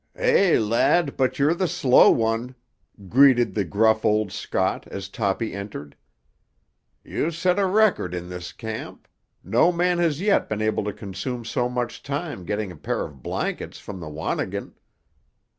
"Eh, lad, but you're the slow one!" greeted the gruff old Scot as Toppy entered. "You're set a record in this camp; no man yet has been able to consume so much time getting a pair of blankets from the wannigan.